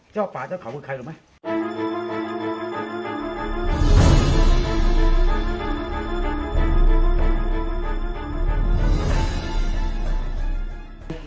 เจ้าป่าเจ้าเขาคือใครรู้ไหม